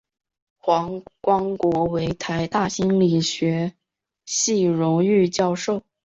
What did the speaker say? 黄光国为台大心理学系荣誉教授。